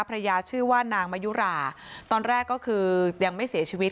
ชื่อว่านางมะยุราตอนแรกก็คือยังไม่เสียชีวิต